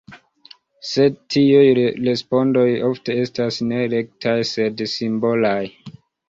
Sed tiuj respondoj ofte estas ne rektaj, sed simbolaj.